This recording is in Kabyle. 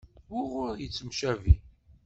Wuɣur ay yettemcabi?